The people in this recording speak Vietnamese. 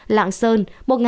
lạng sơn một bốn trăm tám mươi